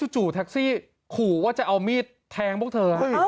จู่แท็กซี่ขู่ว่าจะเอามีดแทงพวกเธอ